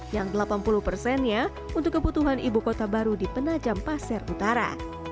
yang delapan puluh persennya untuk kebutuhan ibu kota baru di penajam pasir utara